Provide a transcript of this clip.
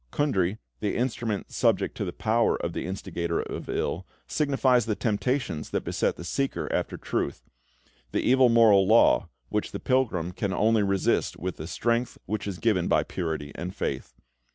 Kundry, the instrument subject to the power of the instigator of ill, signifies the temptations that beset the seeker after Truth the evil moral law, which the pilgrim can only resist with the strength which is given by purity and faith.